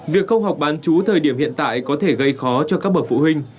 việc không học bán chú thời điểm hiện tại có thể gây khó cho các bậc phụ huynh